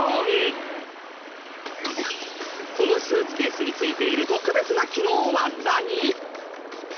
このスーツケースに付いている特別な機能は何？